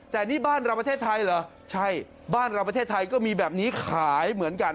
แต่นี่บ้านเราประเทศไทยเหรอใช่บ้านเราประเทศไทยก็มีแบบนี้ขายเหมือนกัน